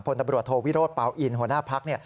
ผลดับรวจโทษวิโรธเปาอินหัวหน้าภักดิ์